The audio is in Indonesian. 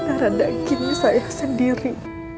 anak rendah gini saya sendiri